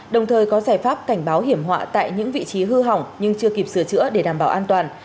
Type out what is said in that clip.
đồng thời có giải pháp cảnh báo hiểm họa tại những vị trí hư hỏng nhưng chưa kịp sửa chữa để đảm bảo an toàn